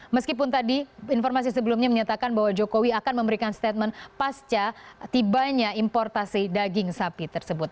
meskipun tadi informasi sebelumnya menyatakan bahwa jokowi akan memberikan statement pasca tibanya importasi daging sapi tersebut